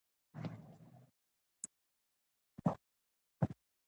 که بزګر زیارکښ وي نو فصل نه وچیږي.